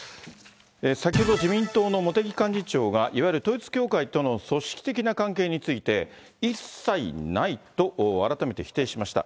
先ほど自民党の茂木幹事長が、いわゆる統一教会との組織的な関係について、一切ないと改めて否定しました。